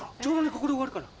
ここで終わるから。